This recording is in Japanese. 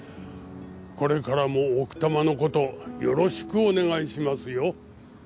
これからも奥多摩のことよろしくお願いしますよ。